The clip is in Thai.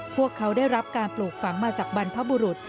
พวกเขาได้รับการปลูกฝังมาจากบรรพบุรุษ